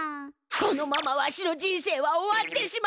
このままわしの人生は終わってしまうのか！